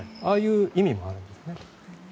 ああいう意味もあるんですね。